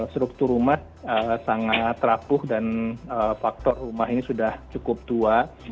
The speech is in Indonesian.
struktur rumah sangat rapuh dan faktor rumah ini sudah cukup tua